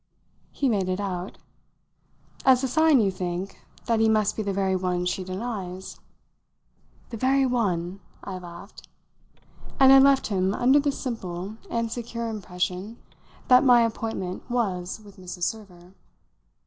He made it out. "As a sign, you think, that he must be the very one she denies?" "The very one!" I laughed; and I left him under this simple and secure impression that my appointment was with Mrs. Server.